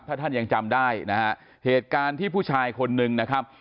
ถ้าท่านยังจำได้นะฮะเหตุการณ์ที่ผู้ชายคนนึงนะครับ